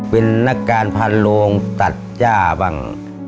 เป็นนักการพันโรงตัดย่าบ้าง